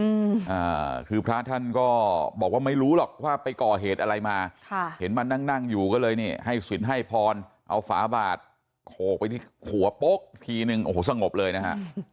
อืมอ่าคือพระท่านก็บอกว่าไม่รู้หรอกว่าไปก่อเหตุอะไรมาค่ะเห็นมานั่งนั่งอยู่ก็เลยนี่ให้สินให้พรเอาฝาบาดโขกไปที่หัวโป๊กทีนึงโอ้โหสงบเลยนะฮะ